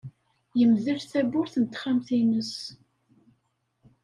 Yemdel tawwurt n texxamt-nnes.